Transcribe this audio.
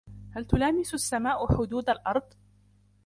هل تلامس السماء حدود الأرض ؟